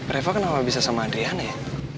reva kenapa bisa sama adrian ya